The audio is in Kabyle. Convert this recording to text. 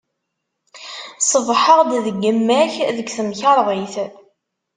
Ṣebḥeɣ-d deg yemma-k deg temkerḍit.